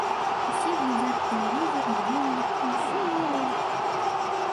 Усе глядзяць тэлевізар, навіны, і ўсё ведаюць.